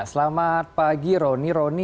selamat pagi roni